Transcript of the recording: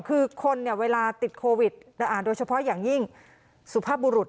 คือคนเนี่ยเวลาติดโควิดโดยเฉพาะอย่างยิ่งสุภาพบุรุษ